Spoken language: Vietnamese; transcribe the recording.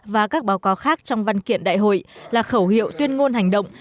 và các báo cáo khác trong văn kiện đại hội là khẩu hiệu tuyên ngôn hành động